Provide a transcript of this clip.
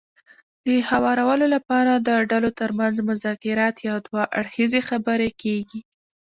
د هوارولو لپاره د ډلو ترمنځ مذاکرات يا دوه اړخیزې خبرې کېږي.